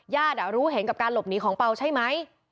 รู้เห็นกับการหลบหนีของเปล่าใช่ไหม